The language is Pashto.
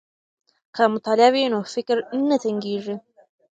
که مطالعه وي نو فکر نه تنګیږي.